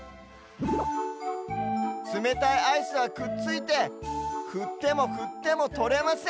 つめたいアイスはくっついてふってもふってもとれません。